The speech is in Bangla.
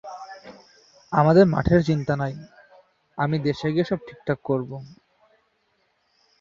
আমাদের মঠের চিন্তা নাই, আমি দেশে গিয়ে সব ঠিকঠাক করব।